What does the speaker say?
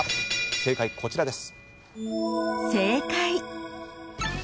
正解こちらです。